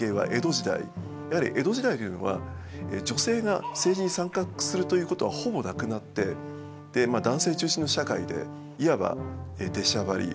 やはり江戸時代というのは女性が政治に参画するということはほぼなくなってまあ男性中心の社会でいわば出しゃばりとかですね